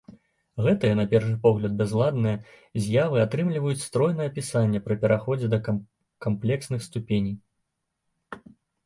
Гэтыя, на першы погляд бязладныя, з'явы атрымліваюць стройнае апісанне пры пераходзе да камплексных ступеней.